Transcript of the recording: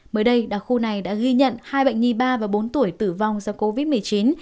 mới đây đặc khu này đã ghi nhận hai bệnh nhi ba và bốn tuổi tử vong do covid một mươi chín